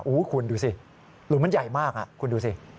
โอ้โหคุณดูสิหลุมมันใหญ่มากคุณดูสิ